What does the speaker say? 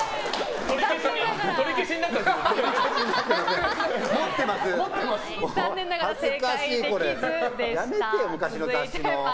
取り消しになってませんか？